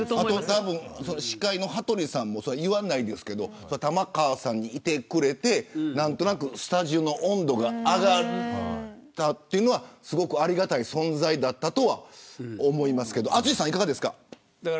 あと司会の羽鳥さんも言わないですけど玉川さんがいてくれて何となくスタジオの温度が上がるというのはすごくありがたい存在だったとは思いますけど淳さん、いかがですか。